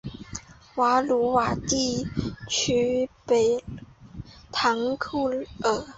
瓦卢瓦地区贝唐库尔。